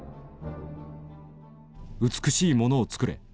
「美しいものを作れ。